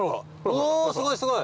おぉすごいすごい。